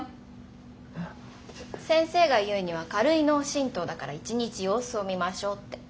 先生が言うには「軽い脳震とうだから一日様子を見ましょう」って。